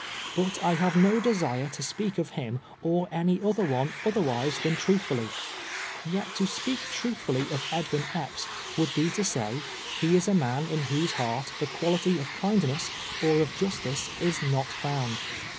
But I have no desire to speak of him or any other one otherwise than truthfully. Yet to speak truthfully of Edwin Ej^ps would be to say — he is a man in whose heart the quality of kindness or of jus tice is not found.